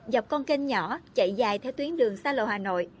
dọc con kênh nhỏ chạy dài theo tuyến đường xa lộ hà nội